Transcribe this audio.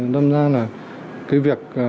năm ra là cái việc